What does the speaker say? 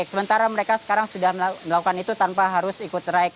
sementara mereka sekarang sudah melakukan itu tanpa harus ikut traik